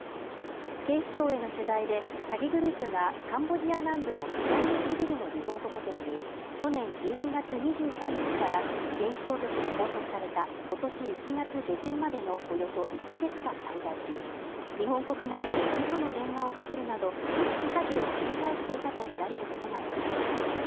警視庁への取材で、詐欺グループがカンボジア南部のシアヌークビルのリゾートホテルに去年１２月２３日から、現地当局に拘束された今年１月下旬までのおよそ１ヶ月間滞在し、日本国内にうその電話をかけるなど特殊詐欺を繰り返していたとみられることがわかりました